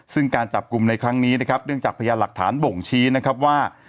ซึ่งการจับกลุ่มในครั้งนี้นะครับเนื่องจากพยานหลักฐานบ่งชี้นะครับว่า